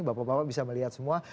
bapak bapak bisa melihat semua